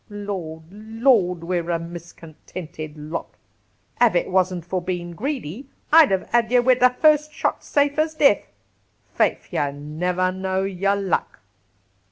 Lord, Lord ! we're a miscontented lot ! Av it wasn't for bein' greedy, I'd 've had ye wid the dust shot safe as death. Faith, ye niver know yer luck